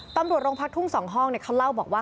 ตำรวจโรงพักทุ่ง๒ห้องเขาเล่าบอกว่า